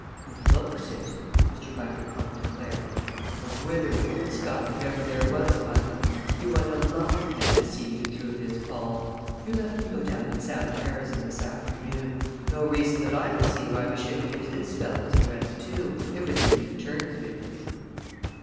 "He looked it!" Mr. Bundercombe declared. "A withered old skunk, if ever there was one! You want a live man to see you through this, Paul. You let me go down and sound Harrison this afternoon. No reason that I can see why we shouldn't use this fellow's address, too, if we can make terms with him."